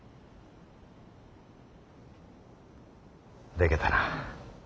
でけたな。